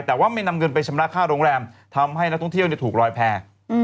แต่ว่าไม่นำเงินไปชำระค่าโรงแรมทำให้นักท่องเที่ยวถูกลอยแพร่